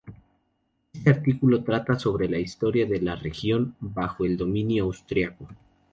Este artículo trata sobre la historia de la región bajo el dominio austríaco.